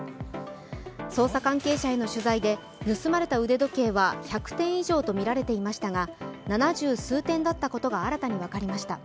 捜査関係者への取材で盗まれた腕時計は１００点以上とみられていましたが七十数点だったことが新たに分かりました。